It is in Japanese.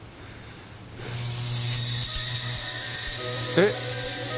えっ？